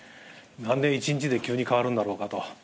なんで一日で急に変わるんだろうかと。